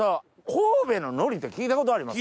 神戸の海苔って聞いたことあります？